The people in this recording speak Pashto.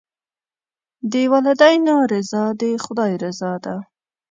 د والدینو رضا د خدای رضا ده.